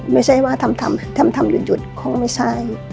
ไม่ใช่ว่าทำหยุดคงไม่ใช่